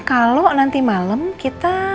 kalau nanti malem kita